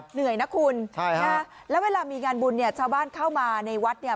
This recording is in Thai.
เหนื่อยนะคุณใช่ฮะแล้วเวลามีงานบุญเนี่ยชาวบ้านเข้ามาในวัดเนี่ย